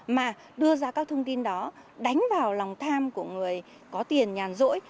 mà đưa ra các thông tin đó đánh vào lòng tham của người có tiền nhàn dỗi